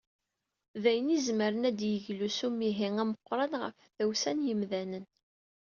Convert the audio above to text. Dayen i izemren ad d-yeglu s yimihi ameqqran ɣef tdawsa n yimdanen.